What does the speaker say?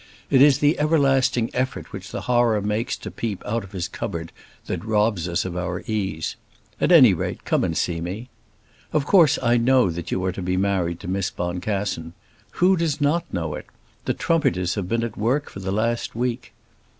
It is the everlasting effort which the horror makes to peep out of his cupboard that robs us of our ease. At any rate come and see me. Of course I know that you are to be married to Miss Boncassen. Who does not know it? The trumpeters have been at work for the last week.